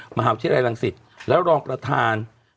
มหาวิทยาลัยรังสิทธิ์แล้วรองกระทาน